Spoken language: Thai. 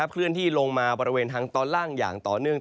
เคลื่อนที่ลงมาบริเวณทางตอนล่างอย่างต่อเนื่อง